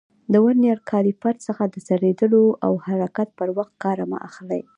له ورنیر کالیپر څخه د څرخېدلو او حرکت پر وخت کار مه اخلئ.